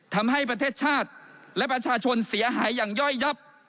ทำให้ประเทศชาติและประชาชนเสียหายอย่างย่อยยับ